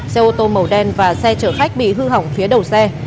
xe ô tô màu đen và xe chở khách bị hư hỏng phía đầu xe